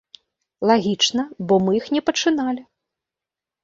Лагічна, бо мы іх не пачыналі.